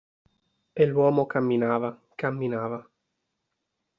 E l'uomo camminava, camminava.